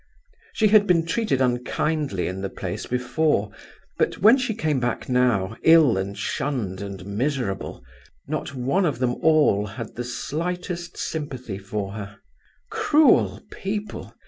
She had been treated kindly in the place before; but when she came back now—ill and shunned and miserable—not one of them all had the slightest sympathy for her. Cruel people!